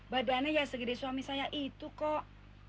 badannya ya segede suami saya itu kok